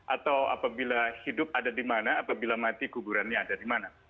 atau apabila hidup ada di mana apabila mati kuburannya ada di mana